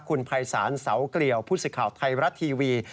คุณภัยศาลเสาเกลียวผู้สิทธิ์ข่าวไทยรัฐทีวี